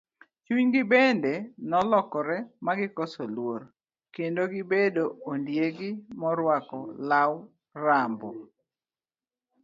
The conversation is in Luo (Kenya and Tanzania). Chunygi bende nolokore ma gikoso luor, kendo gibedo ondiegi moruako lau rambo.